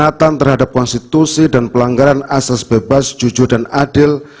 penghormatan terhadap konstitusi dan pelanggaran asas bebas jujur dan adil